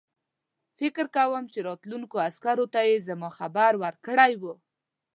فکر کوم چې راتلونکو عسکرو ته یې زما خبر ورکړی وو.